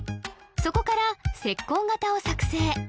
そこから石膏型を作成